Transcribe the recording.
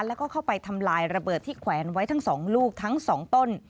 แล้วก็เข้าไปทำลายระเบิดที่แขวนไว้ทั้ง๒ลูกทั้ง๒ต้น